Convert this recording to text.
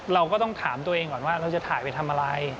เราก็ต้องถามตัวเองก่อนว่าเราจะถ่ายไปทำอะไร